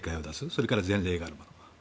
それから前例がある。